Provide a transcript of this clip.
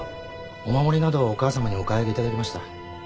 お守りなどをお母さまにお買い上げいただきました。